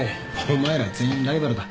お前ら全員ライバルだ。